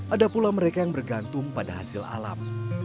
ada pula mereka yang bergantung pada hasil alam